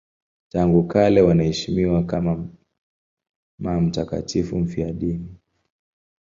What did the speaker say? Tangu kale wanaheshimiwa kama mtakatifu mfiadini.